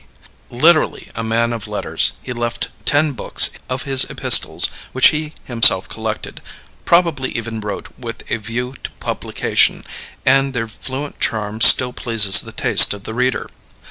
D. Literally a man of letters, he left ten books of his "Epistles," which he himself collected probably even wrote with a view to publication and their fluent charm still pleases the taste of the reader.